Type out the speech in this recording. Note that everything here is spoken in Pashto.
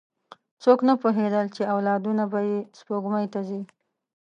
څوک نه پوهېدل، چې اولادونه به یې سپوږمۍ ته ځي.